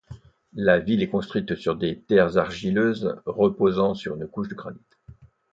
La ville est construite sur des terres argileuses reposant sur une couche de granite.